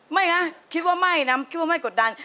ไม่นะคิดว่าไม่นะคิดว่าไม่กดดัน